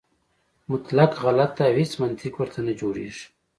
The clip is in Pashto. مطلق غلط دی او هیڅ منطق ورته نه جوړېږي.